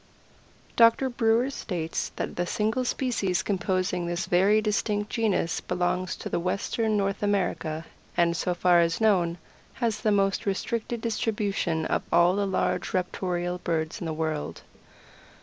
Doctor Brewer states that the single species composing this very distinct genus belongs to western North America, and, so far as known, has the most restricted distribution of all the large raptorial birds in the world.